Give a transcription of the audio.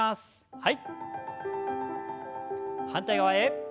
はい。